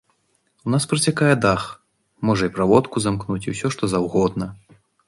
У нас працякае дах, можа і праводку замкнуць і ўсё, што заўгодна.